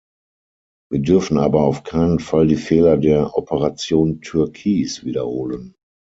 Wir dürfen aber auf keinen Fall die Fehler der Operation Türkis wiederholen.